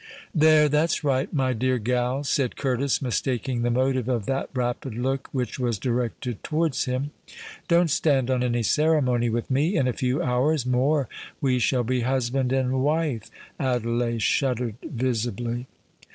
"There—that's right, my dear gal," said Curtis, mistaking the motive of that rapid look which was directed towards him; "don't stand on any ceremony with me. In a few hours more we shall be husband and wife——" Adelais shuddered visibly.